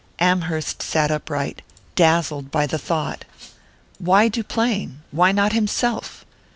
Amherst sat upright, dazzled by the thought. Why Duplain why not himself?